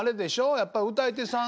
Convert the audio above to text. やっぱ歌い手さん